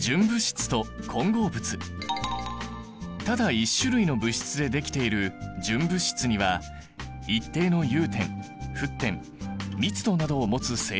ただ１種類の物質でできている純物質には一定の融点沸点密度などを持つ性質がある。